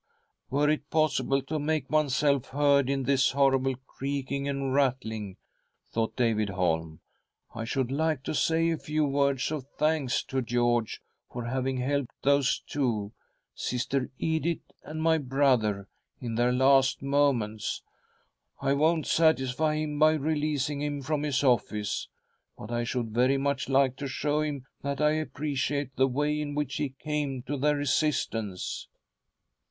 " Were it possible to make oneself heard in this horrible creaking and rattling," thought David Holm, " I should like, to say a few words of thanks to George for having helped those two — Sister Edith and my brother— in their last moments. I won't satisfy him by releasing him from his office, but I should very much like to show him that I appreciate the way in which he came to their assistance."